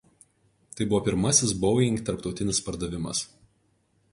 Tai buvo pirmasis Boeing tarptautinis pardavimas.